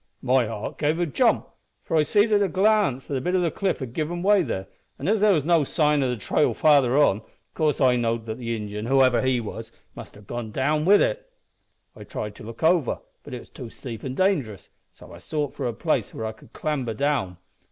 My heart gave a jump, for I seed at a glance that a bit o' the cliff had given way there, an' as there was no sign o' the trail farther on, of course I knowed that the Injin, whoever he was, must have gone down with it. "I tried to look over, but it was too steep an' dangerous, so I sought for a place where I could clamber down.